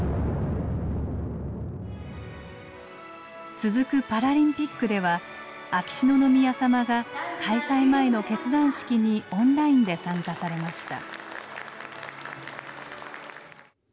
続くパラリンピックでは秋篠宮さまが開催前の結団式にオンラインで参加されました。